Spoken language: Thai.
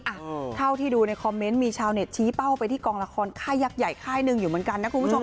อ่ะเท่าที่ดูในคอมเมนต์มีชาวเน็ตชี้เป้าไปที่กองละครค่ายยักษ์ใหญ่ค่ายหนึ่งอยู่เหมือนกันนะคุณผู้ชม